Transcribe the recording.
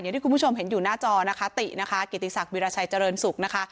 ที่คุณผู้ชมเห็นอยู่หน้าจอนะคะตินะคะกิติศักดิราชัยเจริญสุขนะคะ